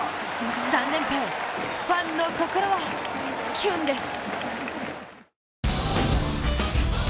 ３連覇へ、ファンの心はキュンです。